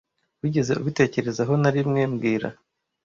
Wigeze ubitekerezaho narimwe mbwira